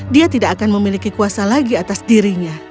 dia tidak akan memiliki kuasa lagi atas dirinya